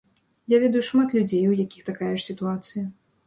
Я ведаю шмат людзей, у якіх такая ж сітуацыя.